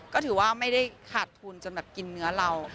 ก็ถือว่าไม่ได้ขาดทุนจนแบบกินเนื้อเรา